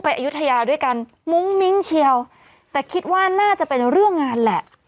อายุทยาด้วยกันมุ้งมิ้งเชียวแต่คิดว่าน่าจะเป็นเรื่องงานแหละ